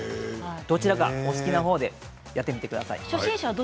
どちらかお好きなほうでやってみてください。